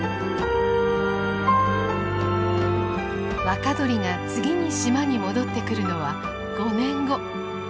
若鳥が次に島に戻ってくるのは５年後。